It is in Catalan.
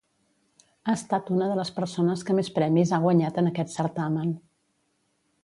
Ha estat una de les persones que més premis ha guanyat en aquest certamen.